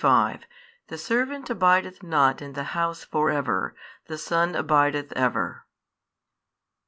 35 The servant abideth not in the house for ever, the Son abideth ever.